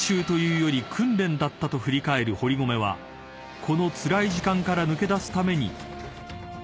［だったと振り返る堀米はこのつらい時間から抜け出すために］